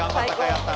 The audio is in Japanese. やった！